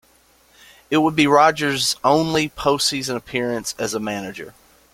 It would be Rodgers' only postseason appearance as a manager.